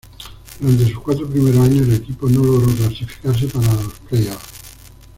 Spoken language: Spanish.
Durante sus cuatro primeros años el equipo no logró clasificarse para los playoff.